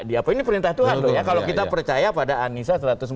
diapain ini perintah tuhan loh ya kalau kita percaya pada anissa satu ratus empat puluh